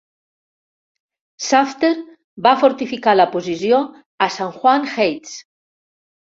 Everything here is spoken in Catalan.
Shafter va fortificar la posició a San Juan Heights.